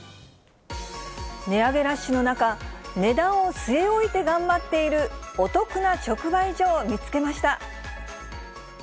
値上げラッシュの中、値段を据え置いて頑張っているお得な直売所を見つけました。